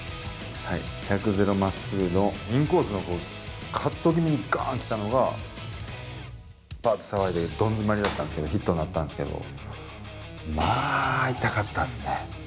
１００・０まっすぐのインコースのボール、カット気味にがーん来たのがばーっとさばいてどん詰まりだったんですけど、ヒットになったんですけど、まあ痛かったっすね。